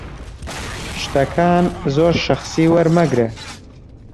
شتەکان زۆر شەخسی وەرمەگرە.